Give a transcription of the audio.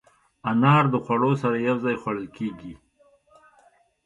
انار د خوړو سره یو ځای خوړل کېږي.